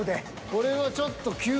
これはちょっと。